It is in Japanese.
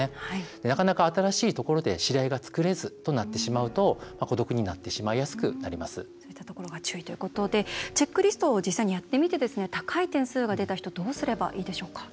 なかなか新しいところで知り合いが作れないとなってしまうと孤独になってしまいやすくチェックリストを実際にやってみて高い点数が出た人はどうすればいいでしょうか。